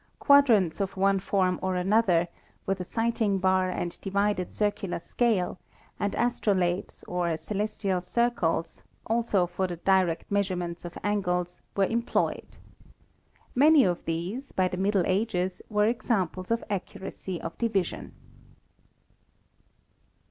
Quad rants of one form or another, with a sighting bar and divided circular scale, and astrolabes, or celestial circles, also for the direct measurement of angles, were employed. Many of these, by the Middle Ages, were examples of ac curacy of division.